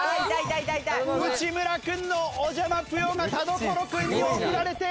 内村君のおじゃまぷよが田所君に送られて。